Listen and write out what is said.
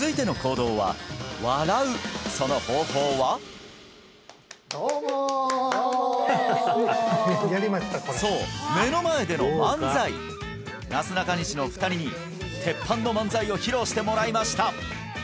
どうもどうもそう目の前での漫才なすなかにしの２人に鉄板の漫才を披露してもらいました！